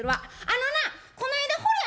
あのなこの間ほれ